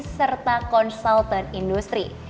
serta konsultan industri